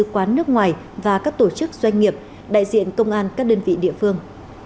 quán nước ngoài và các tổ chức doanh nghiệp đại diện công an các đơn vị địa phương